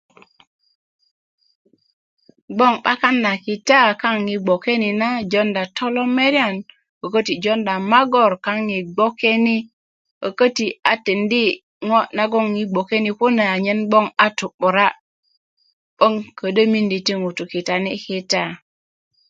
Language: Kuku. gboŋ 'bakan na kita kaaŋ yi gboke ni na jodan tolomerian wo käti jodan magor kaaŋ yi gboke ni 'dok köti a tindi' ŋo' na gboŋ yi gboke ni kune a nyen tu 'bura 'boŋ ködö miindi ti ŋutu' kitani kita